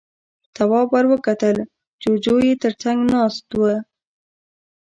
تواب ور وکتل، جُوجُو يې تر څنګ ناست و.